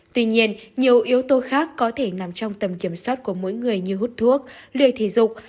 tuy nhiên nhiều yếu tố khác có thể nằm trong tầm kiểm soát của mỗi người như hút thuốc lười thể dục